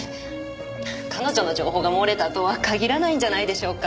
彼女の情報が漏れたとは限らないんじゃないでしょうか？